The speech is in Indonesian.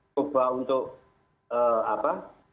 coba untuk apa